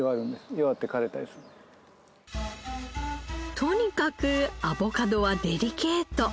とにかくアボカドはデリケート。